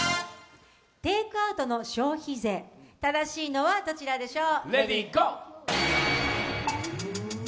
テークアウトの消費税、正しいのはどちらでしょう。